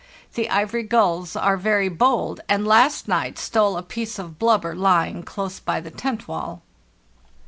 The ivory gulls are very bold, and last night stole a piece of blubber lying close by the tent wall."